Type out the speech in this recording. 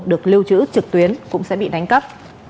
được lưu trữ trực tuyến cũng sẽ bị đánh cắp